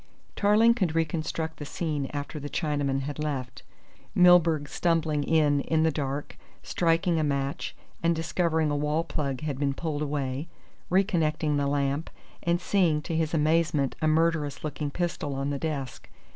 Tarling could reconstruct the scene after the Chinaman had left. Milburgh stumbling in in the dark, striking a match and discovering a wall plug had been pulled away, reconnecting the lamp, and seeing to his amazement a murderous looking pistol on the desk.